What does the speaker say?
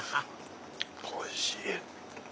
おいしい。